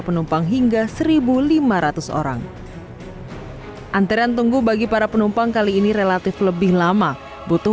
penumpang hingga seribu lima ratus orang antrean tunggu bagi para penumpang kali ini relatif lebih lama butuh